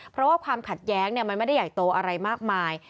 เพราะว่าความขัดแย้งมันไม่ได้ใหญ่โตอะไรมากมาย